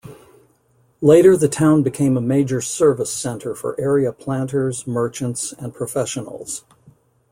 Later, the town became a major service center for area planters, merchants and professionals.